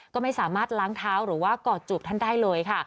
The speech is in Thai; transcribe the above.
ก็ไม่สามารถล้างเท้าหรือว่ากอดจูบท่านได้เลยค่ะ